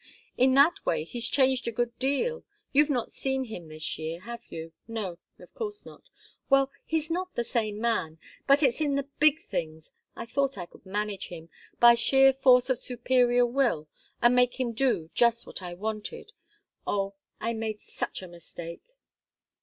In that way he's changed a good deal. You've not seen him this year, have you? No, of course not. Well, he's not the same man. But it's in the big things. I thought I could manage him, by sheer force of superior will, and make him do just what I wanted oh, I made such a mistake!"